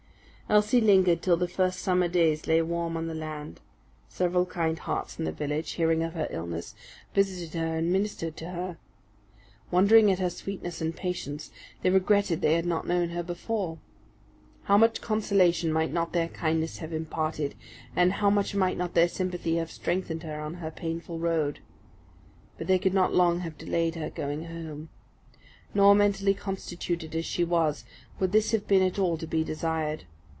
Elsie lingered till the first summer days lay warm on the land. Several kind hearts in the village, hearing of her illness, visited her and ministered to her. Wondering at her sweetness and patience, they regretted they had not known her before. How much consolation might not their kindness have imparted, and how much might not their sympathy have strengthened her on her painful road! But they could not long have delayed her going home. Nor, mentally constituted as she was, would this have been at all to be desired.